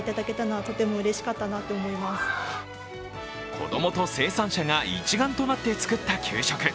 子供と生産者が一丸となって作った給食。